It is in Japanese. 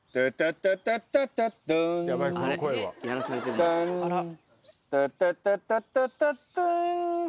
タンタタタタタタタン